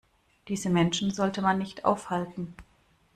Diese Menschen sollte man nicht aufhalten.